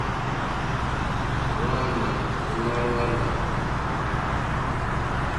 Hwáǎnà émá hwá láǃá.